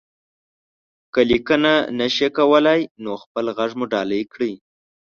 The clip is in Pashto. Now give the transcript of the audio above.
که ليکنه نشئ کولی، نو خپل غږ مو ډالۍ کړئ.